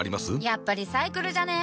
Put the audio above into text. やっぱリサイクルじゃね？